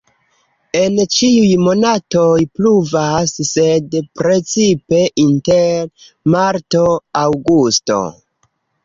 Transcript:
En ĉiuj monatoj pluvas, sed precipe inter marto-aŭgusto.